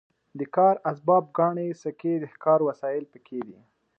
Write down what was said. د کار اسباب ګاڼې سکې د ښکار وسایل پکې دي.